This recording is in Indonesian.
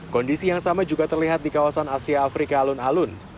kondisi yang sama juga terlihat di kawasan asia afrika alun alun